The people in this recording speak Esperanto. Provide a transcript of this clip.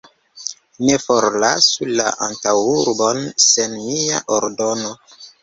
Ne forlasu la antaŭurbon sen mia ordono!